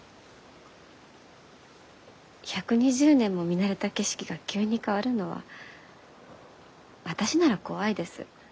１２０年も見慣れた景色が急に変わるのは私なら怖いです。